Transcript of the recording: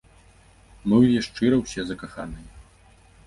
Мы ў яе шчыра ўсе закаханыя!